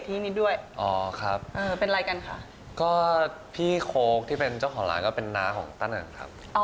ที่นี้ด้วยอ๋อครับเออเป็นอะไรกันค่ะก็พี่โค้กที่เป็นเจ้าของร้านก็เป็นน้าของต้าหนังครับ